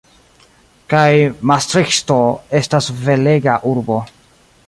Kaj Mastriĥto estas belega urbo.